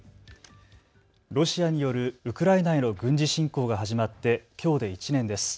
ロシアによるウクライナへの軍事侵攻が始まってきょうで１年です。